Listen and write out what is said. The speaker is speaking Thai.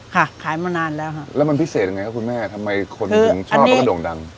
ขายมานานแล้วค่ะแล้วมันพิเศษยังไงครับคุณแม่ทำไมคนถึงชอบแล้วก็โด่งดัง